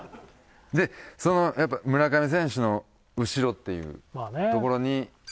でやっぱ村上選手の後ろっていうところに。